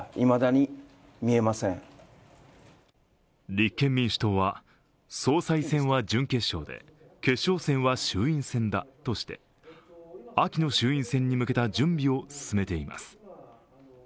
立憲民主党は総裁選は準決勝で決勝戦は衆院選だとして秋の衆院選に向けた準備を進めています。